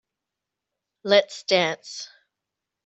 Let's dance.